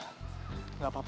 ben gak apa apa